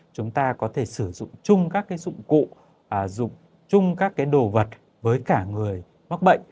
chúng ta có thể sử dụng chung các dụng cụ dùng chung các đồ vật với cả người mắc bệnh